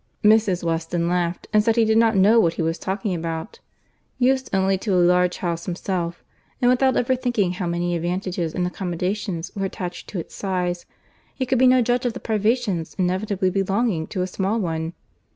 Mrs. Weston laughed, and said he did not know what he was talking about. Used only to a large house himself, and without ever thinking how many advantages and accommodations were attached to its size, he could be no judge of the privations inevitably belonging to a small one.